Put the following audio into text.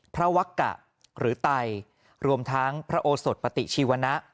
วักกะหรือไตรวมทั้งพระโอสดปฏิชีวนะ